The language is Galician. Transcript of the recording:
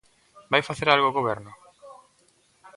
¿Vai facer algo o Goberno?